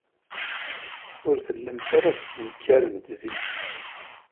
Ur tellimt ara tettenkaremt zik.